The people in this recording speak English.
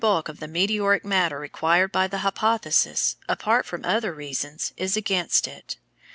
The mere bulk of the meteoric matter required by the hypothesis, apart from other reasons, is against it.